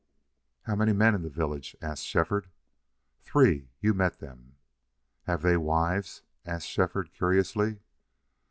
"How many men in the village?" asked Shefford. "Three. You met them." "Have they wives?" asked Shefford, curiously.